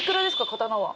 刀は。